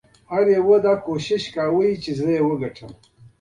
یو چا هڅه کوله.